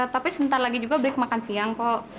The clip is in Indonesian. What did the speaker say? tapi sebentar lagi juga break makan siang kok